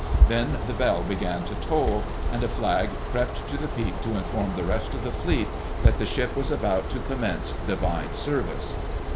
Then the bell began to toll, and a flag crept to the peak to inform the rest of the Fleet that the ship was about to commence Divine Service.